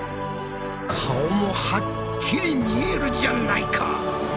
顔もはっきり見えるじゃないか！